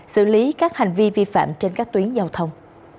xử lý các hành vi vi phạm trên các tuyến giao thông